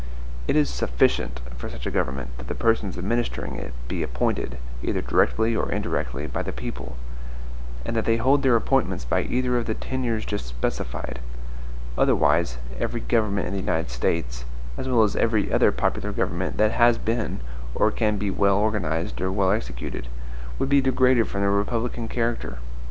It is SUFFICIENT for such a government that the persons administering it be appointed, either directly or indirectly, by the people; and that they hold their appointments by either of the tenures just specified; otherwise every government in the United States, as well as every other popular government that has been or can be well organized or well executed, would be degraded from the republican character.